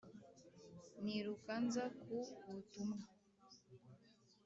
niruka nza ku butumwa